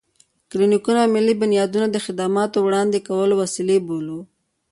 کلينيکونه او ملي بنيادونه د خدماتو د وړاندې کولو وسيلې بولو.